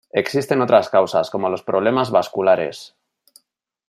Existen otras causas, como los problemas vasculares.